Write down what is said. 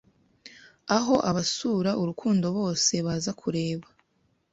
Aho abasura urukundo bose baza kureba